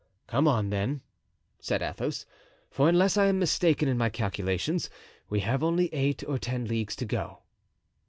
"Come on, then," said Athos, "for unless I am mistaken in my calculations we have only eight or ten leagues to go."